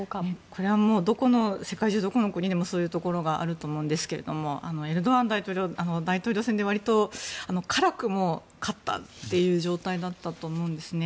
これは世界中どこの国でもそういうことがあると思いますがエルドアン大統領は大統領選では辛くも勝ったという状態だったと思うんですね。